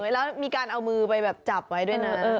แล้วมีการเอามือไปแบบจับไว้ด้วยนะ